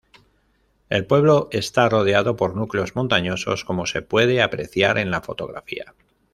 El pueblo está rodeado por núcleos montañosos, como se puede apreciar en la fotografía.